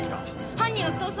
犯人は逃走。